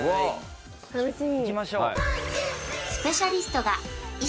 楽しみ。